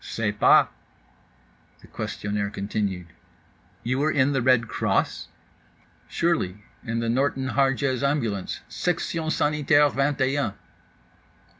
—"Sais pas." The questionnaire continued: "You were in the Red Cross?"—"Surely, in the Norton Harjes Ambulance, Section Sanitaire Vingt et Un."